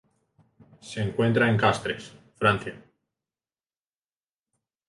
Se encuentra en Castres, Francia.